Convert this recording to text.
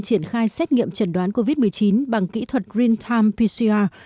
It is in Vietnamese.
triển khai xét nghiệm chẩn đoán covid một mươi chín bằng kỹ thuật green time pcr